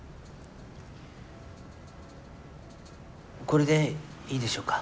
これでいいでしょうか？